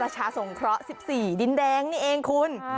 ประชาสงเคราะห์๑๔ดินแดงนี่เองคุณ